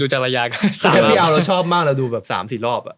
ไม่เอาเราชอบมากเราดูแบบ๓๔รอบ